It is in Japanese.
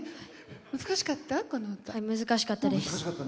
難しかったです。